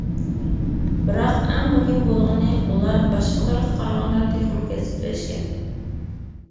بىراق، ئەڭ مۇھىم بولغىنى، ئۇلار باشقىلارغا قارىغاندا تېخىمۇ كەسىپلەشكەن!